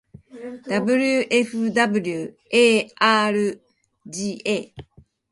wfwarga